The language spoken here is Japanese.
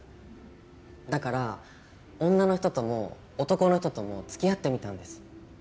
だから女の人とも男の人ともつきあってみたんです。